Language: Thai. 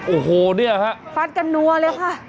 โอ้โหเนี่ยฮะฟัดกันนัวเลยค่ะ